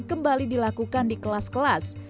kembali dilakukan di kelas kelas